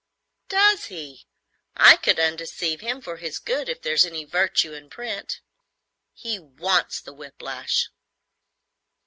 "Does he? I could undeceive him for his good, if there's any virtue in print. He wants the whiplash."